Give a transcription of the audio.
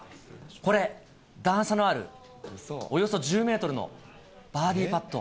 これ、段差のあるおよそ１０メートルのバーディーパット。